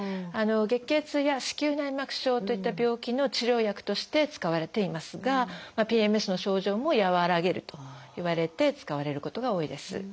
月経痛や子宮内膜症といった病気の治療薬として使われていますがＰＭＳの症状も和らげるといわれて使われることが多いです。